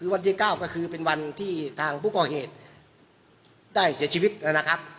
วันที่๙ก็คือเป็นวันที่ทางผู้ก่อเหตุได้เสียชีวิตแล้วนะครับ